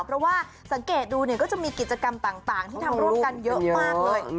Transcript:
เพราะว่าสังเกตดูเนี่ยก็จะมีกิจกรรมต่างที่ทำร่วมกันเยอะมากเลย